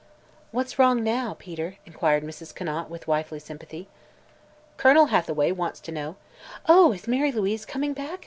"What's wrong now, Peter?" inquired Mrs. Conant with wifely sympathy. "Colonel Hathaway wants to know " "Oh, is Mary Louise coming back?"